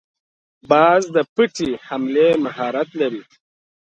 باز د پټې حملې مهارت لري